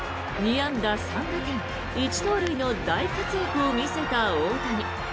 ２安打３打点１盗塁の大活躍を見せた大谷。